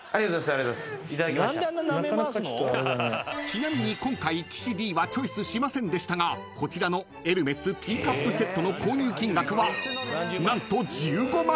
［ちなみに今回岸Ｄはチョイスしませんでしたがこちらのエルメスティーカップセットの購入金額は何と］